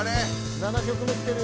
７曲目きてるよ。